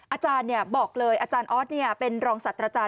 อาจารย์บอกเลยอาจารย์ออสเป็นรองศัตว์อาจารย